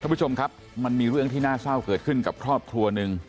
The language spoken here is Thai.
ผู้ชมครับมันมีเรื่องที่น่าเศร้าเกิดขึ้นกับครอบครัวหนึ่ง